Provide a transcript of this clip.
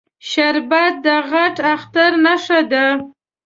شربت د غټ اختر نښه ده